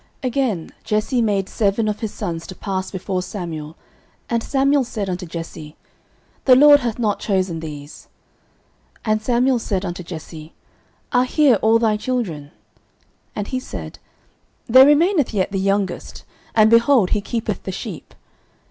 09:016:010 Again, Jesse made seven of his sons to pass before Samuel. And Samuel said unto Jesse, The LORD hath not chosen these. 09:016:011 And Samuel said unto Jesse, Are here all thy children? And he said, There remaineth yet the youngest, and, behold, he keepeth the sheep.